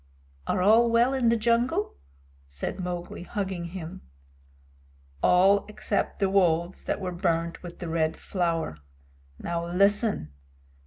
"Are all well in the jungle?" said Mowgli, hugging him. "All except the wolves that were burned with the Red Flower. Now, listen.